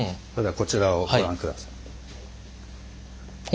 こちらをご覧ください。